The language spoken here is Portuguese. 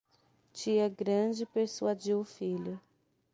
Tia grande persuadiu o filho